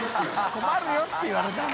困るよ」って言われた話。